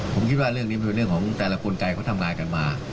ผมคิดว่าเรื่องนี้มันเป็นเรื่องของแต่ละกลไกเขาทำงานกันมา